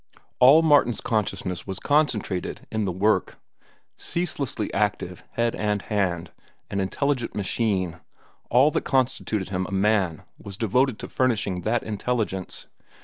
All Martin's consciousness was concentrated in the work. Ceaselessly active, head and hand, an intelligent machine, all that constituted him a man was devoted to furnishing that intelligence.